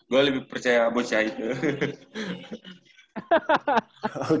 gue lebih percaya bocah itu